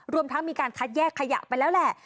รวมทั้งมีการคัดแยกขยะไปแล้วแหละ